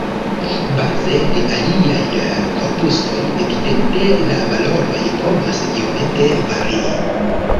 Baze de aliaj korpusoj evidente la valoroj povos iomete varii.